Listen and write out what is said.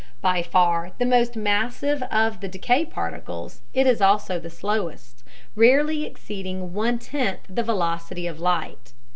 By far the most massive of the decay particles, it is also the slowest, rarely exceeding one tenth the velocity of light.